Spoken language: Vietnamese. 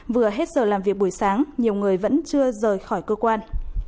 vừa hết giờ làm việc buổi sáng nhiều người vẫn chưa rời khỏi cơ quan